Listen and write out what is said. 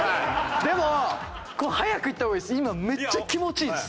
でもこれ早くいった方がいいです。